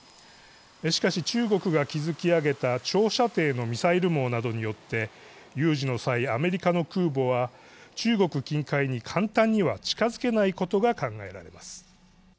しかし、中国が築き上げた長射程のミサイル網などによって有事の際、アメリカの空母は中国近海に簡単には近づけないことが考えられます。